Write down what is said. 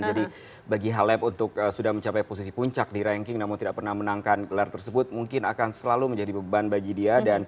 jadi bagi halep untuk sudah mencapai posisi puncak di ranking namun tidak pernah menangkan gelar tersebut mungkin akan selalu menjadi beban bagi dia